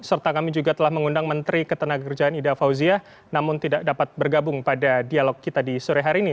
serta kami juga telah mengundang menteri ketenagakerjaan ida fauzia namun tidak dapat bergabung pada dialog kita di sore hari ini